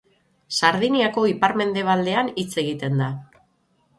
Sardiniako ipar-mendebaldean hitz egiten da.